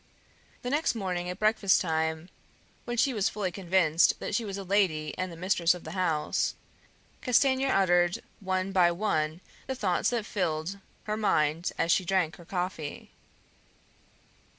The next morning at breakfast time, when she was fully convinced that she was a lady and the mistress of the house, Castanier uttered one by one the thoughts that filled her mind as she drank her coffee.